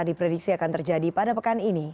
diprediksi akan terjadi pada pekan ini